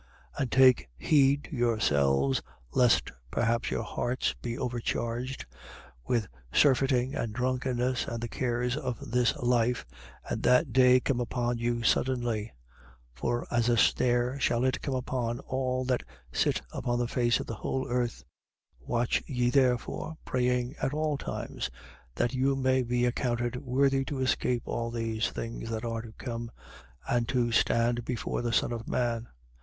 21:34. And take heed to yourselves, lest perhaps your hearts be overcharged with surfeiting and drunkenness and the cares of this life: and that day come upon you suddenly. 21:35. For as a snare shall it come upon all that sit upon the face of the whole earth. 21:36. Watch ye, therefore, praying at all times, that you may be accounted worthy to escape all these things that are to come and to stand before the Son of man.